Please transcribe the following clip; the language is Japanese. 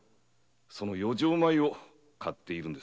その余剰米を買っているのです。